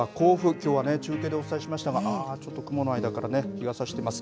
きょうはね、中継でお伝えしましたが、ああ、ちょっと雲の間から日がさしてます。